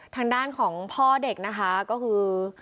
ทางด้านของพ่อเด็กนะคะก็คือ